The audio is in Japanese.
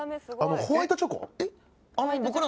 ホワイトチョコ？